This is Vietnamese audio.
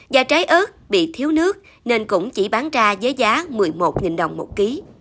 và trái ớt bị thiếu nước nên cũng chỉ bán ra với giá một mươi một đồng một ký